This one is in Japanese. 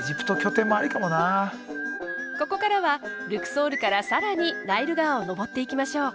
ここからはルクソールから更にナイル川を上っていきましょう。